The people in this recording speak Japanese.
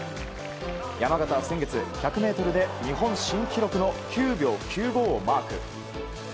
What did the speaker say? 山縣は先月１００ｍで日本新記録の９秒９５をマーク。